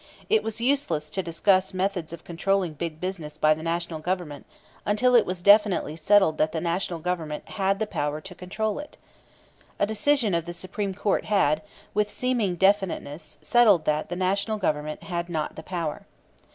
It was useless to discuss methods of controlling big business by the National Government until it was definitely settled that the National Government had the power to control it. A decision of the Supreme Court had, with seeming definiteness, settled that the National Government had not the power.